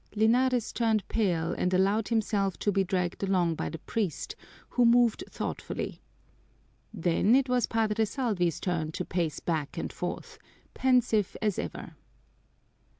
Linares turned pale and allowed himself to be dragged along by the priest, who moved thoughtfully. Then it was Padre Salvi's turn to pace back and forth, pensive as ever.